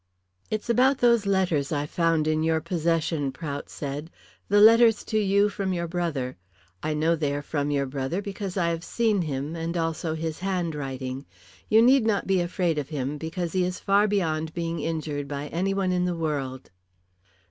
"It's about those letters I found in your possession," Prout said, "the letters to you from your brother. I know they are from your brother, because I have seen him, and also his handwriting. You need not be afraid of him, because he is far beyond being injured by any one in the world."